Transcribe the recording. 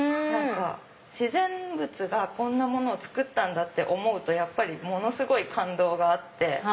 自然物がこんなものをつくったんだって思うとものすごい感動があって。